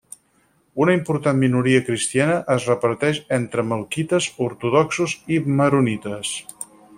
Una important minoria cristiana es reparteix entre melquites, ortodoxos i maronites.